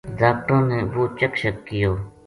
ڈاکٹراں نے وہ چیک شیک کِیو